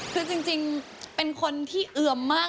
คือจริงเป็นคนที่เอือมมาก